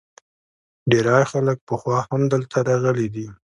ډیری خلک پخوا هم دلته راغلي دي